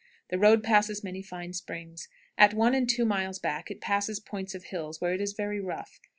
The road passes many fine springs. At one and two miles back it passes points of hills, where it is very rough.